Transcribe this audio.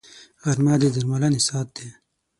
غرمه د درملنې ساعت دی